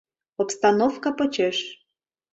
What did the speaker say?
Обстановка почеш.